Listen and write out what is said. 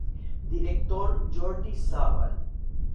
Dir: Jordi Savall.